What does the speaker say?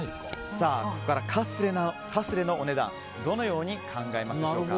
ここからカスレのお値段どのように考えますでしょうか。